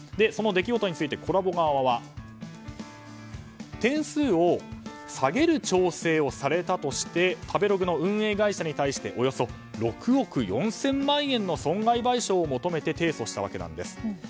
その出来事についてＫｏｌｌａＢｏ側は点数を下げる調整をされたとして食べログの運営会社に対しておよそ６億４０００万円の損害賠償を求めて提訴したわけなんです。